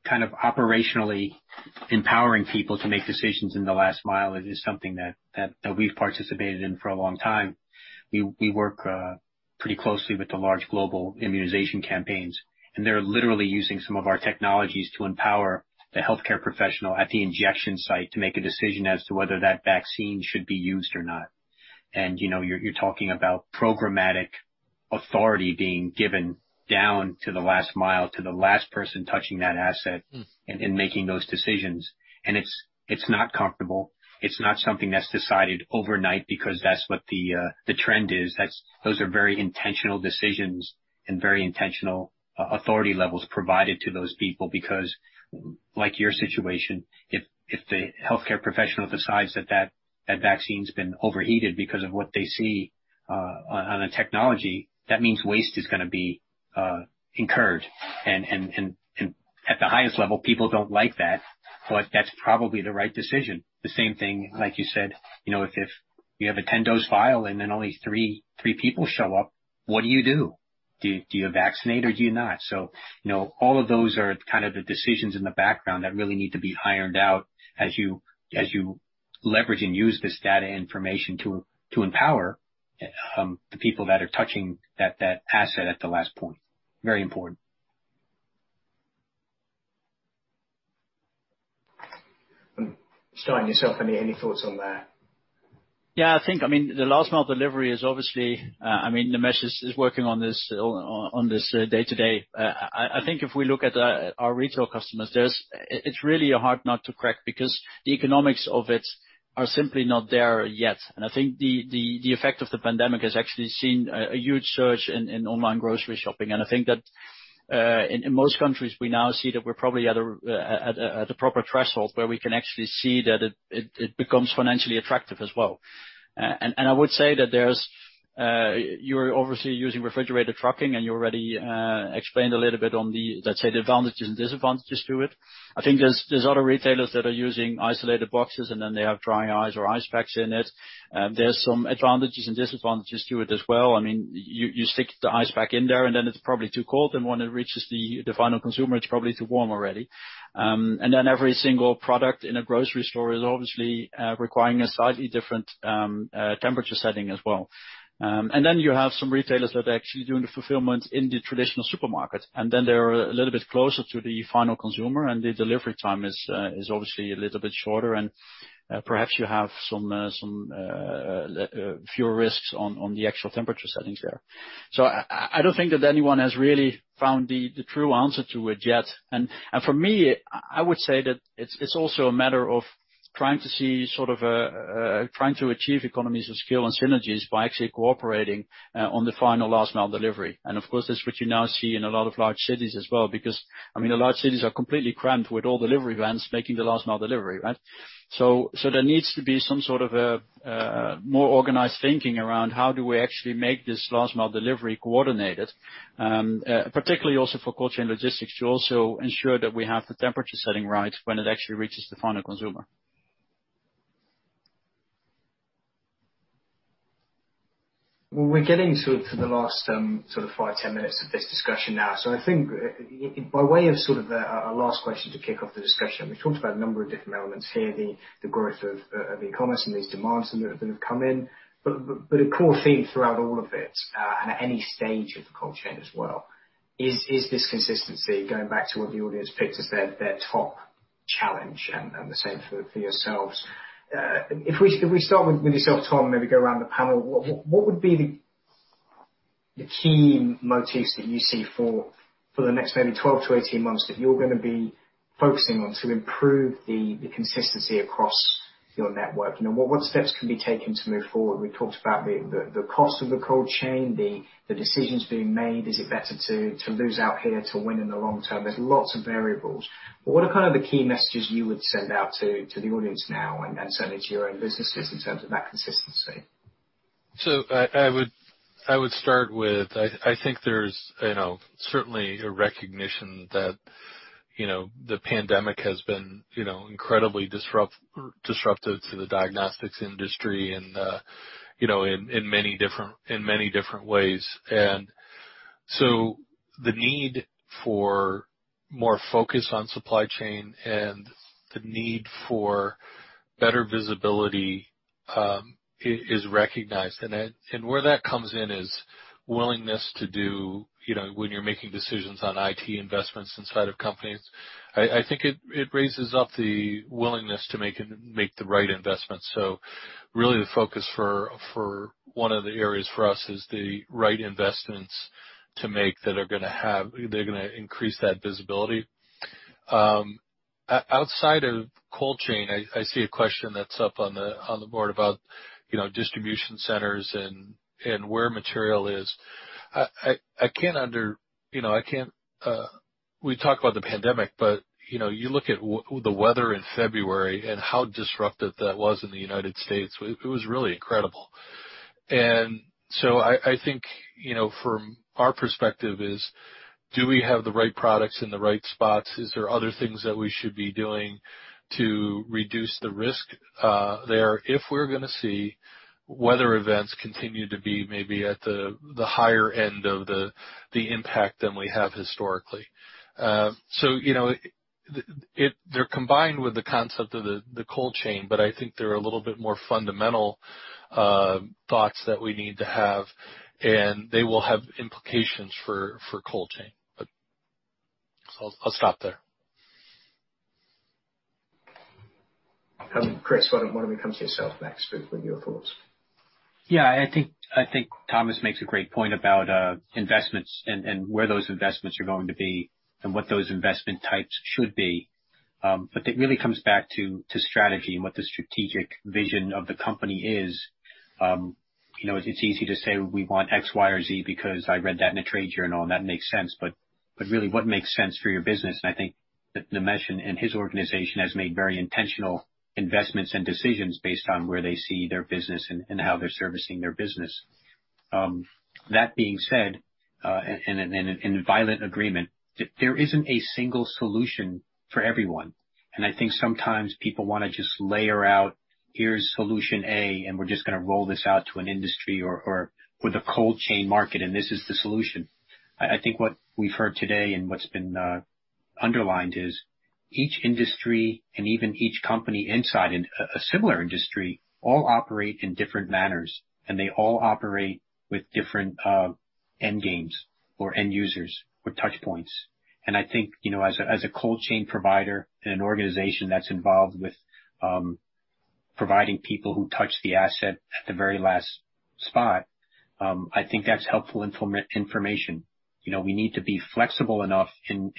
kind of operationally empowering people to make decisions in the last mile is something that we've participated in for a long time. We work pretty closely with the large global immunization campaigns, and they're literally using some of our technologies to empower the healthcare professional at the injection site to make a decision as to whether that vaccine should be used or not. And you're talking about programmatic authority being given down to the last mile, to the last person touching that asset and making those decisions. And it's not comfortable. It's not something that's decided overnight because that's what the trend is. Those are very intentional decisions and very intentional authority levels provided to those people because, like your situation, if the healthcare professional decides that that vaccine's been overheated because of what they see on a technology, that means waste is going to be incurred. And at the highest level, people don't like that, but that's probably the right decision. The same thing, like you said, if you have a 10-dose vial and then only three people show up, what do you do? Do you vaccinate or do you not? So all of those are kind of the decisions in the background that really need to be ironed out as you leverage and use this data information to empower the people that are touching that asset at the last point. Very important. Stein yourself, any thoughts on that? Yeah, I think, I mean, the last mile delivery is obviously, I mean, Nimish is working on this day-to-day. I think if we look at our retail customers, it's really a hard nut to crack because the economics of it are simply not there yet. And I think the effect of the pandemic has actually seen a huge surge in online grocery shopping. And I think that in most countries, we now see that we're probably at a proper threshold where we can actually see that it becomes financially attractive as well. And I would say that you're obviously using refrigerated trucking, and you already explained a little bit on the, let's say, the advantages and disadvantages to it. I think there's other retailers that are using isolated boxes, and then they have dry ice or ice packs in it. There's some advantages and disadvantages to it as well. I mean, you stick the ice pack in there, and then it's probably too cold, and when it reaches the final consumer, it's probably too warm already, and then every single product in a grocery store is obviously requiring a slightly different temperature setting as well, and then you have some retailers that are actually doing the fulfillment in the traditional supermarket, and then they're a little bit closer to the final consumer, and the delivery time is obviously a little bit shorter, and perhaps you have some fewer risks on the actual temperature settings there, so I don't think that anyone has really found the true answer to it yet, and for me, I would say that it's also a matter of trying to see sort of trying to achieve economies of scale and synergies by actually cooperating on the final last mile delivery. And of course, that's what you now see in a lot of large cities as well because, I mean, the large cities are completely crammed with all delivery vans making the last mile delivery, right? So there needs to be some sort of more organized thinking around how do we actually make this last mile delivery coordinated, particularly also for cold chain logistics to also ensure that we have the temperature setting right when it actually reaches the final consumer. We're getting to the last sort of five, 10 minutes of this discussion now. I think by way of sort of a last question to kick off the discussion, we've talked about a number of different elements here, the growth of the e-commerce and these demands that have come in. A core theme throughout all of it and at any stage of the cold chain as well is this consistency going back to what the audience picks as their top challenge and the same for yourselves. If we start with yourself, Tom, maybe go around the panel, what would be the key motifs that you see for the next maybe 12 to 18 months that you're going to be focusing on to improve the consistency across your network? What steps can be taken to move forward? We've talked about the cost of the cold chain, the decisions being made. Is it better to lose out here to win in the long term? There's lots of variables. But what are kind of the key messages you would send out to the audience now and certainly to your own businesses in terms of that consistency? I would start with, I think there's certainly a recognition that the pandemic has been incredibly disruptive to the diagnostics industry in many different ways. The need for more focus on supply chain and the need for better visibility is recognized. Where that comes in is willingness to do when you're making decisions on IT investments inside of companies. I think it raises up the willingness to make the right investments. Really the focus for one of the areas for us is the right investments to make that are going to increase that visibility. Outside of cold chain, I see a question that's up on the board about distribution centers and where material is. I can't underscore we talk about the pandemic, but you look at the weather in February and how disruptive that was in the United States. It was really incredible, and so I think from our perspective is, do we have the right products in the right spots? Is there other things that we should be doing to reduce the risk there if we're going to see weather events continue to be maybe at the higher end of the impact than we have historically? So they're combined with the concept of the cold chain, but I think there are a little bit more fundamental thoughts that we need to have, and they will have implications for cold chain, but I'll stop there. Chris, why don't we come to yourself next with your thoughts? Yeah, I think Thomas makes a great point about investments and where those investments are going to be and what those investment types should be. But it really comes back to strategy and what the strategic vision of the company is. It's easy to say, "We want X, Y, or Z because I read that in a trade journal," and that makes sense. But really, what makes sense for your business? And I think that Nimish and his organization has made very intentional investments and decisions based on where they see their business and how they're servicing their business. That being said, and in violent agreement, there isn't a single solution for everyone. And I think sometimes people want to just lay out, "Here's solution A, and we're just going to roll this out to an industry or the cold chain market, and this is the solution." I think what we've heard today and what's been underlined is each industry and even each company inside a similar industry all operate in different manners, and they all operate with different end games or end users or touch points. And I think as a cold chain provider and an organization that's involved with providing people who touch the asset at the very last spot, I think that's helpful information. We need to be flexible enough in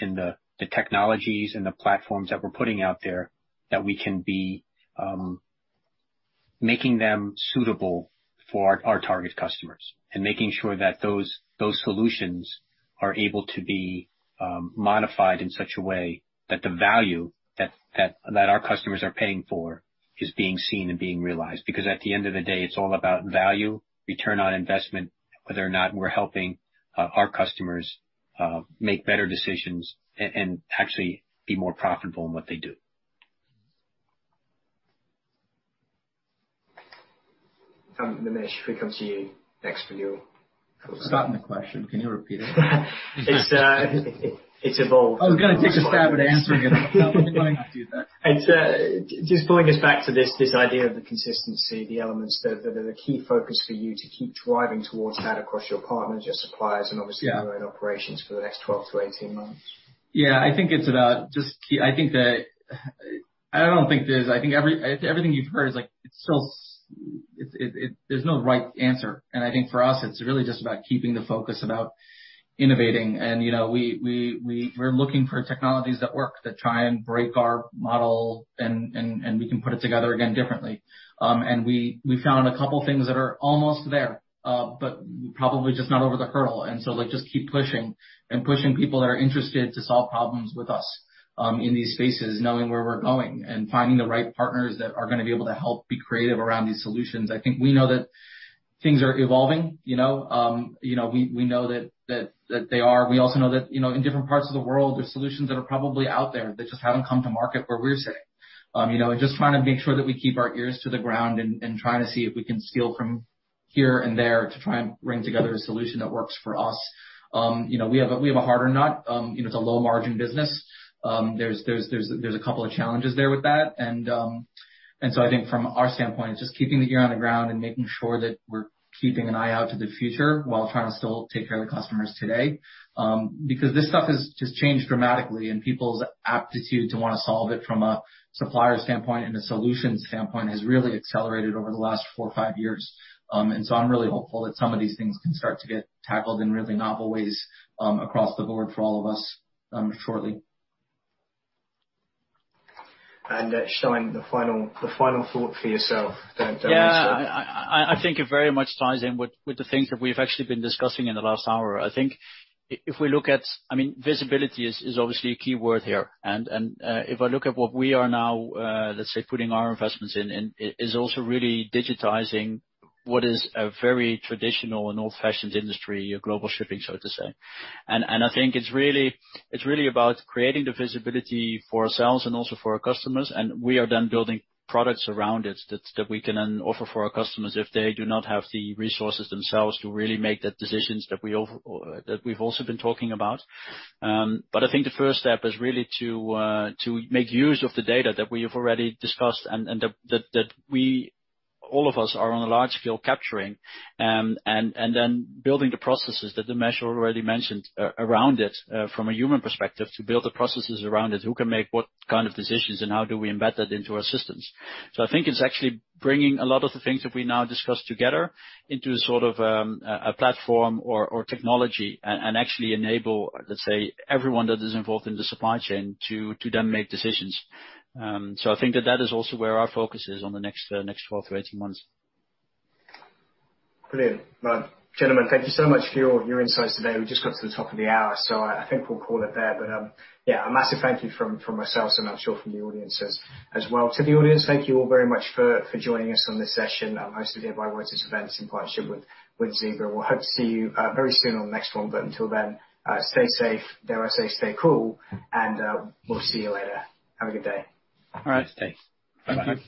the technologies and the platforms that we're putting out there that we can be making them suitable for our target customers and making sure that those solutions are able to be modified in such a way that the value that our customers are paying for is being seen and being realized. Because at the end of the day, it's all about value, return on investment, whether or not we're helping our customers make better decisions and actually be more profitable in what they do. Nimish, if we come to you next for your. Starting the question. Can you repeat it? It's evolved. I was going to take a stab at answering it. Just pulling us back to this idea of the consistency, the elements that are the key focus for you to keep driving towards that across your partners, your suppliers, and obviously your own operations for the next 12-18 months. Yeah, I think it's about just key, I think that I don't think there's, I think everything you've heard is like, it's still, there's no right answer, and I think for us, it's really just about keeping the focus about innovating, and we're looking for technologies that work that try and break our model, and we can put it together again differently, and we found a couple of things that are almost there, but probably just not over the hurdle, and so just keep pushing and pushing people that are interested to solve problems with us in these spaces, knowing where we're going and finding the right partners that are going to be able to help be creative around these solutions. I think we know that things are evolving. We know that they are. We also know that in different parts of the world, there are solutions that are probably out there that just haven't come to market where we're sitting, and just trying to make sure that we keep our ears to the ground and trying to see if we can steal from here and there to try and bring together a solution that works for us. We have a harder nut. It's a low-margin business. There's a couple of challenges there with that, and so I think from our standpoint, it's just keeping the ear on the ground and making sure that we're keeping an eye out to the future while trying to still take care of the customers today. Because this stuff has just changed dramatically, and people's aptitude to want to solve it from a supplier standpoint and a solution standpoint has really accelerated over the last four or five years, and so I'm really hopeful that some of these things can start to get tackled in really novel ways across the board for all of us shortly. Stein, the final thought for yourself. Don't answer. Yeah, I think it very much ties in with the things that we've actually been discussing in the last hour. I think if we look at, I mean, visibility is obviously a key word here, and if I look at what we are now, let's say, putting our investments in, is also really digitizing what is a very traditional and old-fashioned industry, global shipping, so to say. I think it's really about creating the visibility for ourselves and also for our customers, and we are then building products around it that we can then offer for our customers if they do not have the resources themselves to really make those decisions that we've also been talking about. I think the first step is really to make use of the data that we have already discussed and that all of us are on a large scale capturing and then building the processes that Nimish already mentioned around it from a human perspective to build the processes around it, who can make what kind of decisions and how do we embed that into our systems. I think it's actually bringing a lot of the things that we now discuss together into sort of a platform or technology and actually enable, let's say, everyone that is involved in the supply chain to then make decisions. I think that that is also where our focus is on the next 12-18 months. Brilliant. Well, gentlemen, thank you so much for your insights today. We just got to the top of the hour, so I think we'll call it there. But yeah, a massive thank you from myself and I'm sure from the audience as well. To the audience, thank you all very much for joining us on this session. I'm hosted here by Reuters Events in partnership with Zebra. We'll hope to see you very soon on the next one. But until then, stay safe. Dare I say, stay cool, and we'll see you later. Have a good day. All right. Thanks. Bye-bye.